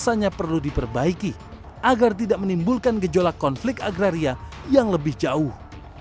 rasanya perlu diperbaiki agar tidak menimbulkan gejolak konflik agraria yang lebih jauh